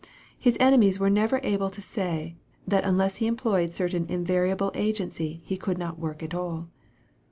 His enemies were never able to say, that unless He employed certain invariable agency He could not work at all.